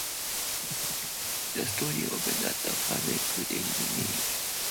The story opens at a fabric dyeing mill.